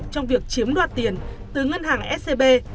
trong việc chiếm đoạt tiền từ ngân hàng scb